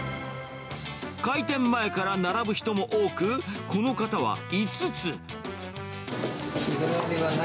開店前から並ぶ人も多く、この方は５つ。